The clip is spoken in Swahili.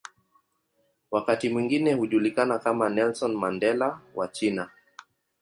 Wakati mwingine hujulikana kama "Nelson Mandela wa China".